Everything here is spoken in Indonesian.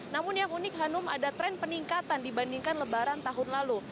namun yang unik hanum ada tren peningkatan dibandingkan lebaran tahun lalu